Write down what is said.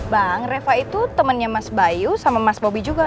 bang reva itu temannya mas bayu sama mas bobi juga